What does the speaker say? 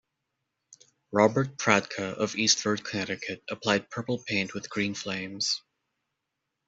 Robert Pradke of Eastford, Connecticut applied purple paint with green flames.